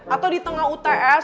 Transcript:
atau di tengah uts